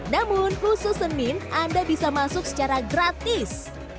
namun khusus senin anda bisa masuk secara gratis